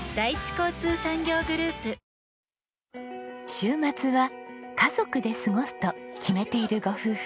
週末は家族で過ごすと決めているご夫婦。